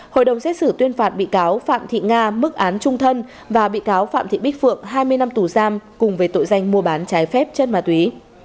hội đồng xét xử tuyên phạt bị cáo phạm thị nga mức án trung thân và bị cáo phạm thị bích phượng hai mươi năm tù giam cùng về tội danh mua bán trái phép chất ma túy